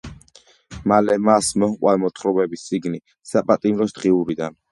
მალე მას მოჰყვა მოთხრობების წიგნი „საპატიმროს დღიურიდან“.